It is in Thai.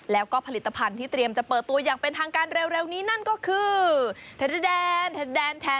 แล้วก็ผลิตภัณฑ์ที่เตรียมจะเปิดตัวอย่างเป็นทางการเร็วนี้นั่นก็คือเทรแดนแท้